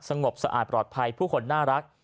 งบสะอาดปลอดภัยผู้คนน่ารัก